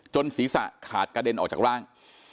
ศีรษะขาดกระเด็นออกจากร่าง